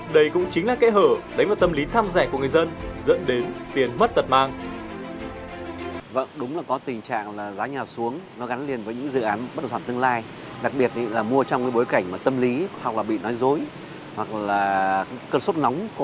đây cũng chính là kẻ hở đánh vào tâm lý tham dạy của người dân